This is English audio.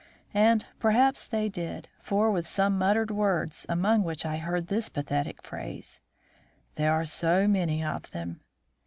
And perhaps they did, for, with some muttered words, among which I heard this pathetic phrase, "There are so many of them!"